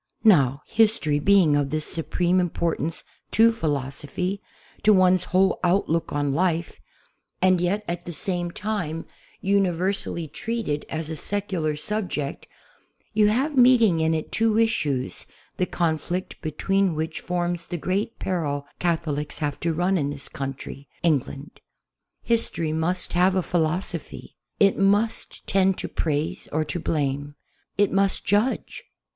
Now history being of this supreme importance to philosophy, to one's whole outlook on life, and yet at the same time universally 4 CA^FHOLIC TRUTH IX HISTORY treated as a secular subject, you have meeting in it two issues, the conflict between which forms the great peril Catholics have to run in this country (England). His tory must have a philosophy. It must tend to praise or to blame. It must judge.